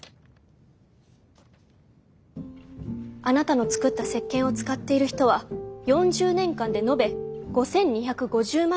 あなたの作った石鹸を使っている人は４０年間で延べ５，２５０万人。